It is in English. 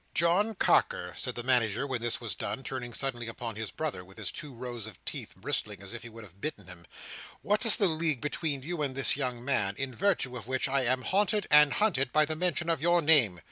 "John Carker," said the Manager, when this was done, turning suddenly upon his brother, with his two rows of teeth bristling as if he would have bitten him, "what is the league between you and this young man, in virtue of which I am haunted and hunted by the mention of your name?